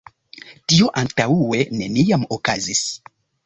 Tio antaŭe neniam okazis.